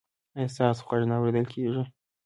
ایا ستاسو غږ نه اوریدل کیږي؟